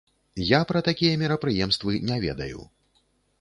Я пра такія мерапрыемствы не ведаю.